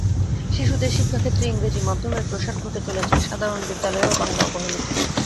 শিশুদের শিক্ষাক্ষেত্রে ইংরেজি মাধ্যমের প্রসার ঘটে চলেছে, সাধারণ বিদ্যালয়েও বাংলা অবহেলিত।